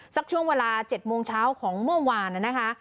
สักช่วงเวลา๗โมงเช้าของเมื่อวานนะคะ